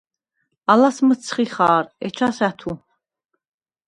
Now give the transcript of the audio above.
ალას მჷცხი ხა̄რ, ეჩას – ა̈თუ.